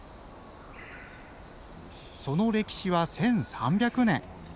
その歴史は１，３００年。